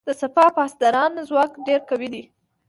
د سپاه پاسداران ځواک ډیر قوي دی.